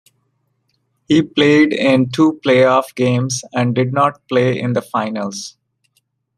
He played in two playoff games, and did not play in the finals.